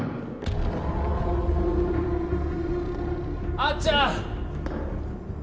あっちゃん！